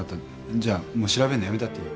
じゃもう調べるのやめたっていい。